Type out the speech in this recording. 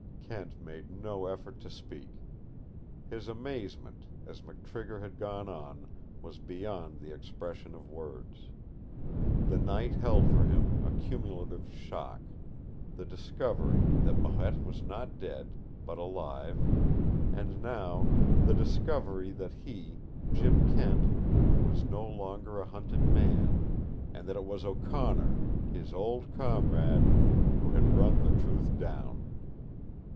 Kent made no effort to speak. His amazement, as McTrigger had gone on, was beyond the expression of words. The night held for him a cumulative shock the discovery that Marette was not dead, but alive, and now the discovery that he, Jim Kent, was no longer a hunted man, and that it was O'Connor, his old comrade, who had run the truth down.